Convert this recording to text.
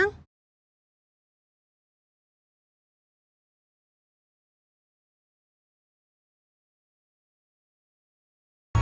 ntar dia nyap nyap aja